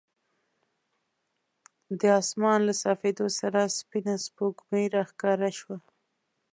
د اسمان له صافېدو سره سپینه سپوږمۍ راښکاره شوه.